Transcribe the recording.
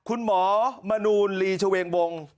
คุณหมอมนูลลีชเวงวง